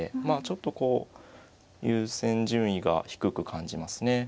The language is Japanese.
ちょっとこう優先順位が低く感じますね。